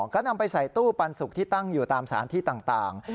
ก็นำไปใส่ตู้ปันสุกที่ตั้งอยู่ตามสารที่ต่าง